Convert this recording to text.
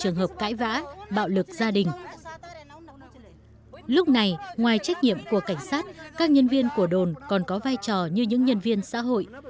lúc này ngoài trách nhiệm của cảnh sát các nhân viên của đồn còn có vai trò như những nhân viên xã hội